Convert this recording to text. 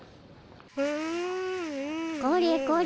これこれ。